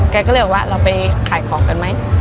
แกก็เลยบอกว่าเราไปขายของกันไหม